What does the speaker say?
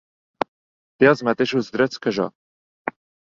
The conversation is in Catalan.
Té els mateixos drets que jo.